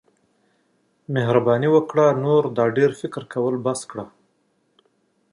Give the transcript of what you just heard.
مهرباني وکړه نور دا ډیر فکر کول بس کړه.